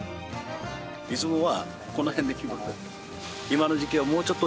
いつもはこの辺で。